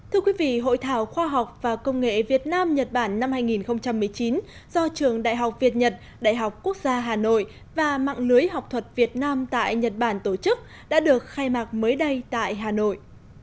thưa quý vị hội thảo khoa học và công nghệ việt nam nhật bản năm hai nghìn một mươi chín do trường đại học việt nhật đại học quốc gia hà nội và mạng lưới học thuật việt nam tại nhật bản tổ chức đã được khai mạc mới đây tại hà nội